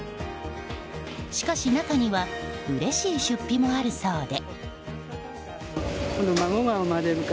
しかし、中にはうれしい出費もあるそうで。